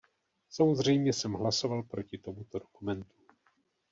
Samozřejmě jsem hlasoval proti tomuto dokumentu.